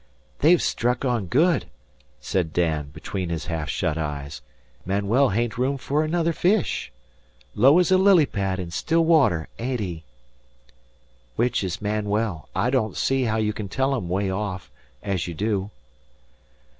"They've struck on good," said Dan, between his half shut eyes. "Manuel hain't room fer another fish. Low ez a lily pad in still water, Aeneid he?" "Which is Manuel? I don't see how you can tell 'em 'way off, as you do."